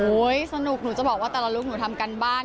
สนุกหนูจะบอกว่าแต่ละลูกหนูทำการบ้าน